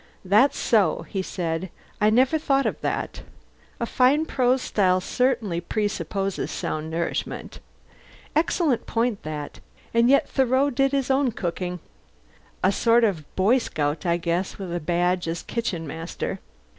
"That's so," he said. "I never thought of that. A fine prose style certainly presupposes sound nourishment. Excellent point that... And yet Thoreau did his own cooking. A sort of Boy Scout I guess, with a badge as kitchen master.